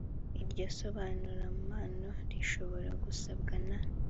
iryo sobanurampamo rishobora gusabwa na